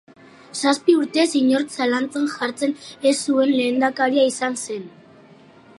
Zazpi urtez inork zalantzan jartzen ez zuen lehendakaria izan zen.